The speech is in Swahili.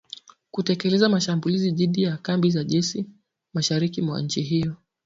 kutekeleza mashambulizi dhidi ya kambi za jeshi mashariki mwa nchi hiyo